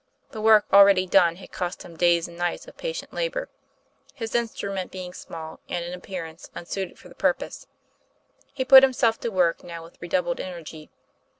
The work already done had cost him days and nights of patient labor, his instrument TOM PLA YFAIR. 247 being small and, in appearance, unsuited for the purpose. He put himself to work now with re doubled energy.